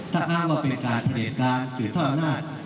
ถ้าอ้างว่าเป็นการประเด็ดการสื่อเท่าอำนาจ